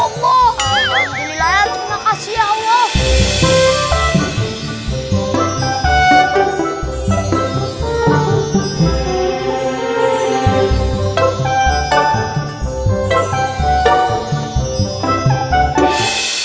alhamdulillah terima kasih ya allah